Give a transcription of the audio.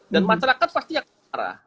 dan masyarakat pasti yang marah